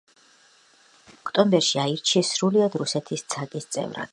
იმავე წლის ოქტომბერში აირჩიეს სრულიად რუსეთის ცაკ-ის წევრად.